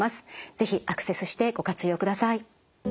是非アクセスしてご活用ください。